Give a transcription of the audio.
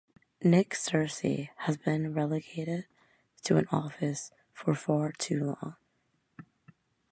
Nick Searcy has been relegated to an office for far too long.